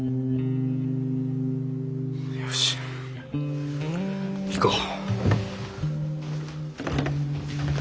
よし行こう。